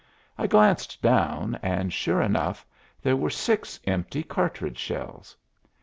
I glanced down, and sure enough, there were six empty cartridge shells.